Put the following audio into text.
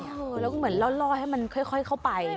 แล้วก็เหมือนล่อให้มันค่อยเข้าไป